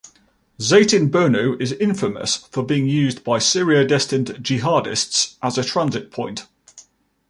Zeytinburnu is infamous for being used by Syria destined jihadists as a transit point.